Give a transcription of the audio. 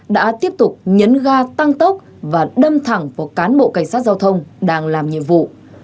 đã tiếp tục nhấn ga tăng tốc và đâm thẳng vào cán bộ cảnh sát giao thông đang làm nhiệm vụ